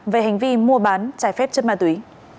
về hành vi mua bán trái phép chất ma túy